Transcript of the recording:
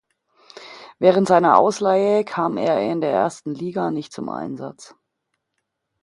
Während seiner Ausleihe kam er in der ersten Liga nicht zum Einsatz.